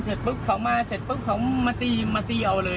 เสร็จปุ๊บเขามาเสร็จปุ๊บเขามาตีมาตีเอาเลย